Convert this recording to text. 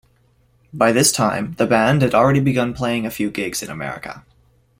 By this time, the band had already begun playing a few gigs in America.